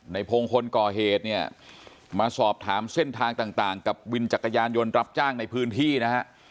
พงศ์คนก่อเหตุเนี่ยมาสอบถามเส้นทางต่างกับวินจักรยานยนต์รับจ้างในพื้นที่นะฮะ